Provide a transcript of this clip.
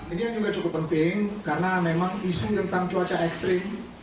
ini yang juga cukup penting karena memang isu tentang cuaca ekstrim